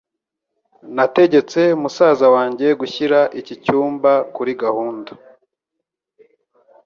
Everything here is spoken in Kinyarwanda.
Nategetse musaza wanjye gushyira iki cyumba kuri gahunda.